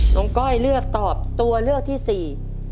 น้องก้อยเลือกตอบตัวเลือกที่๔